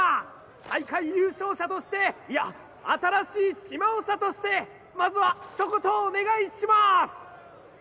大会優勝者としていや新しい島長としてまずは一言お願いします！